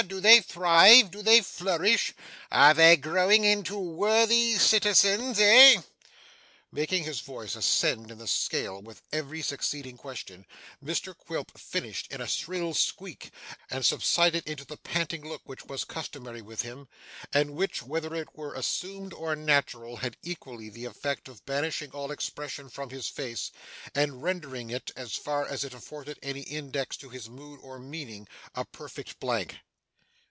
Do they thrive? Do they flourish? Are they growing into worthy citizens, eh?' Making his voice ascend in the scale with every succeeding question, Mr Quilp finished in a shrill squeak, and subsided into the panting look which was customary with him, and which, whether it were assumed or natural, had equally the effect of banishing all expression from his face, and rendering it, as far as it afforded any index to his mood or meaning, a perfect blank.